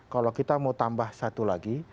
kalau kita mau tambah satu lagi